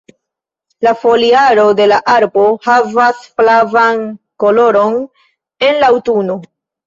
La foliaro de la arbo havas flavan koloron en la aŭtuno.